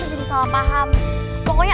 mau jadi jagoan lo disini